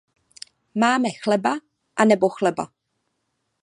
Máme chleba, a nebo chleba.